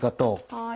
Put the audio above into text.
はい。